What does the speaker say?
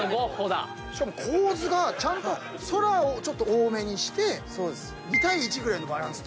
しかも構図がちゃんと空を多めにして２対１ぐらいのバランス。